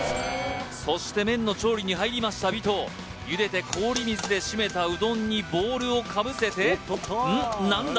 そして麺の調理に入りました尾藤茹でて氷水で締めたうどんにボウルをかぶせてうん？